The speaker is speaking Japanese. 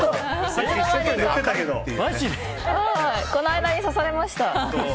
その間に刺されました。